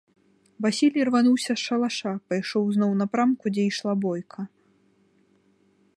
Васіль ірвануўся з шалаша, пайшоў зноў у напрамку, дзе ішла бойка.